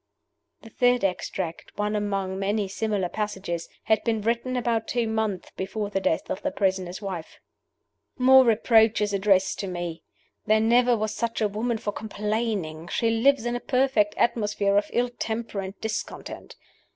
The third extract one among many similar passages had been written about two months before the death of the prisoner's wife. "More reproaches addressed to me! There never was such a woman for complaining; she lives in a perfect atmosphere of ill temper and discontent.